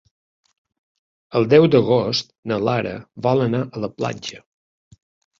El deu d'agost na Lara vol anar a la platja.